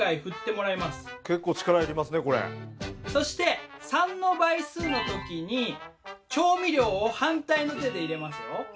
そして３の倍数の時に調味料を反対の手で入れますよ。